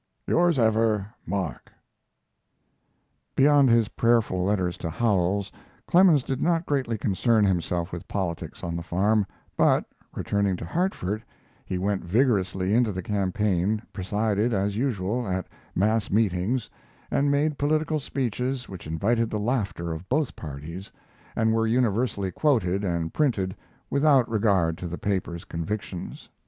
Yours ever, MARK. Beyond his prayerful letters to Howells, Clemens did not greatly concern himself with politics on the farm, but, returning to Hartford, he went vigorously into the campaign, presided, as usual, at mass meetings, and made political speeches which invited the laughter of both parties, and were universally quoted and printed without regard to the paper's convictions.